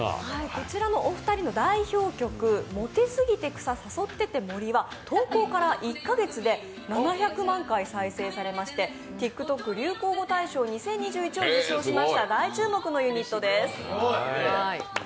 こちらのお二人の代表曲「モテすぎて草、誘ってて森」は投稿から１か月で７００万回再生されまして、ＴｉｋＴｏｋ流行語大賞２０２１を受賞しました大注目のユニットです。